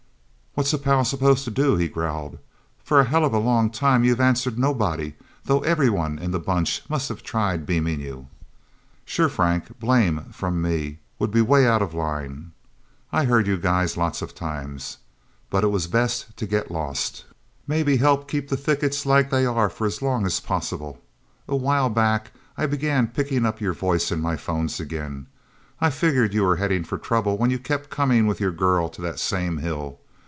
"What's a pal supposed to do?" he growled. "For a helluva long time you've answered nobody though everyone in the Bunch must have tried beaming you." "Sure, Frank... Blame, from me, would be way out of line. I heard you guys lots of times. But it was best to get lost maybe help keep the thickets like they are for as long as possible... A while back, I began picking up your voice in my phones again. I figured you were heading for trouble when you kept coming with your girl to that same hill.